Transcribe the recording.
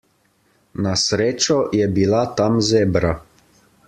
Na srečo je bila tam zebra.